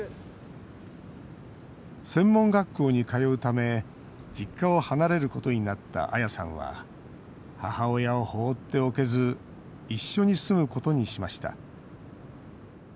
専門学校に通うため実家を離れることになったアヤさんは、母親を放っておけず一緒に住むことにしました。